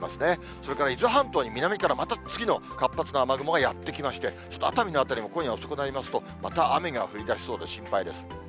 それから伊豆半島からまた次の活発な雨雲がやって来まして、熱海の辺りも今夜遅くなりますと、また雨が降りだしそうで心配です。